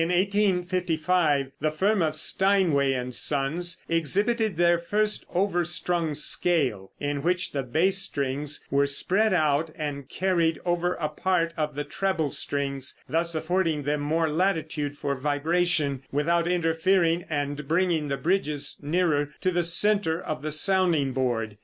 In 1855 the firm of Steinway & Sons exhibited their first overstrung scale, in which the bass strings were spread out and carried over a part of the treble strings, thus affording them more latitude for vibration, without interfering, and bringing the bridges nearer to the center of the sounding board.